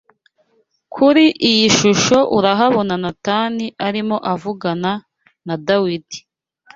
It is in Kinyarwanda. Kuri iyi shusho urahabona Natani arimo avugana na Dawidi